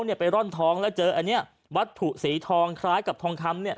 เนี่ยไปร่อนท้องแล้วเจออันเนี้ยวัตถุสีทองคล้ายกับทองคำเนี่ย